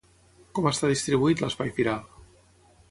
Com està distribuït l'espai firal?